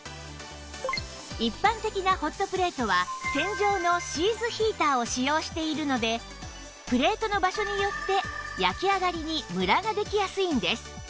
一般的なホットプレートは線状のシーズヒーターを使用しているのでプレートの場所によって焼き上がりにムラができやすいんです